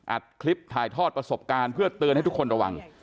อัดคลิปถ่ายทอดประสบการณ์เพื่อเตือนให้ทุกคนระวัง